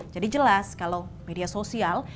jadi jelas kalau media sosial